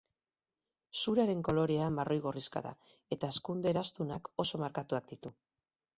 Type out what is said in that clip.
Zuraren kolorea marroi-gorrixka da, eta hazkunde eraztunak oso markatuak ditu.